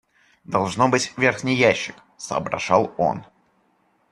Должно быть, верхний ящик, — соображал он.